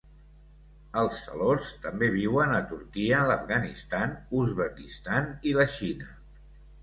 Els salors també viuen a Turquia, l'Afganistan, Uzbekistan i la Xina.